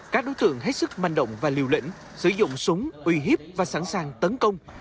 các đối tượng hết sức manh động và liều lĩnh sử dụng súng uy hiếp và sẵn sàng tấn công